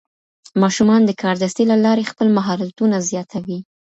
ماشومان د کاردستي له لارې خپل مهارتونه زیاتوي.